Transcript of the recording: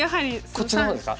こっちの方ですか？